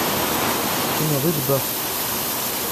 C’est une Rudebeuf.